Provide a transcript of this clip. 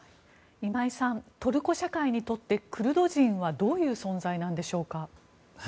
今井さんトルコ社会にとってクルド人はどういう存在なんでしょうか？